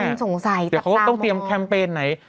เดี๋ยวเขาก็ต้องเตรียมแคมเปญไหน